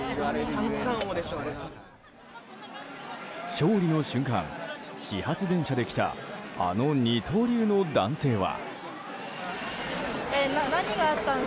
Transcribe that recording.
勝利の瞬間、始発電車で来たあの二刀流の男性は。